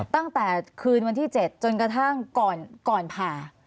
ตั้งแต่คืนวันที่๗จนกระทั่งก่อนผ่า